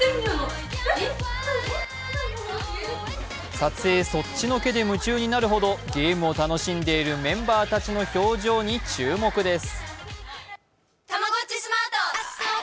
撮影そっちのけで夢中になるほどゲームを楽しんでいるメンバーたちの表情に注目です。